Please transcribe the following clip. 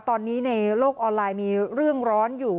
ตอนนี้ในโลกออนไลน์มีเรื่องร้อนอยู่